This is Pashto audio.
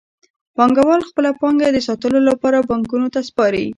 پانګوال خپله پانګه د ساتلو لپاره بانکونو ته سپاري